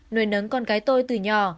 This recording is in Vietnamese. nuôi nấng con gái tôi từ nhỏ